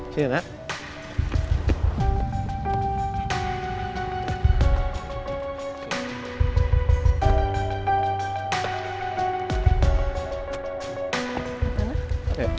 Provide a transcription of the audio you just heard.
kita sampai sini